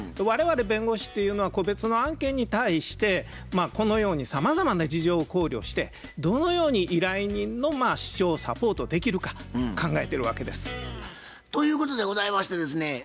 我々弁護士というのは個別の案件に対してこのようにさまざまな事情を考慮してどのように依頼人の主張をサポートできるか考えてるわけです。ということでございましてですね